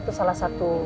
itu salah satu